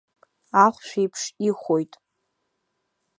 Ахәшә еиԥш ихәоит.